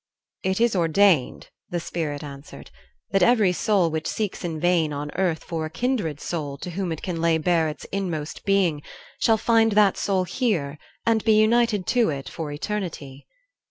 "It is ordained," the Spirit answered, "that every soul which seeks in vain on earth for a kindred soul to whom it can lay bare its inmost being shall find that soul here and be united to it for eternity."